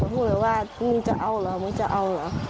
พูดเลยว่ามึงจะเอาเหรอมึงจะเอาเหรอ